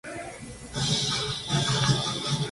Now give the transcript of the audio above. El resort fue construido por Del Webb.